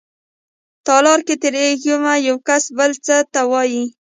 تالار کې تېرېږم يوکس بل ته څه وايي.